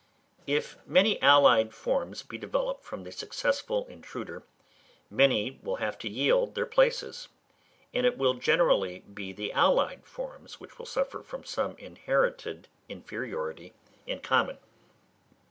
If many allied forms be developed from the successful intruder, many will have to yield their places; and it will generally be the allied forms, which will suffer from some inherited inferiority in common.